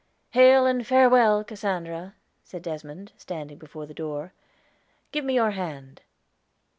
"Hail, and farewell, Cassandra!" said Desmond, standing before the door. "Give me your hand."